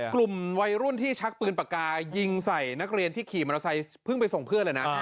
กลุ่มวัยรุ่นที่ชักปืนปากกายิงใส่นักเรียนที่ขี่มอเตอร์ไซค์เพิ่งไปส่งเพื่อนเลยนะ